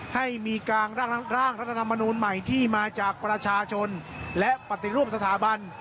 ให้มีการร่างรัฐธรรมนูลใหม่ที่มาจากประชาชนและปฏิรูปสถาบัน